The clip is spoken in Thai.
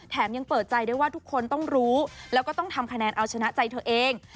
ยังเปิดใจได้ว่าทุกคนต้องรู้แล้วก็ต้องทำคะแนนเอาชนะใจเธอเอง